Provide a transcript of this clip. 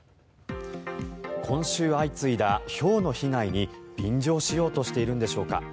今週相次いだひょうの被害に便乗しようとしているのでしょうか。